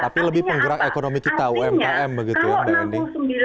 tapi lebih penggerak ekonomi kita umkm begitu ya mbak endi